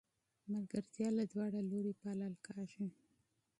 دوستي دوطرفه پالل کیږي